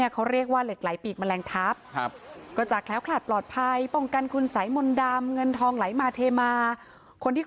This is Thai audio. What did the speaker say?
คว้านั้นใช่ไหมใช่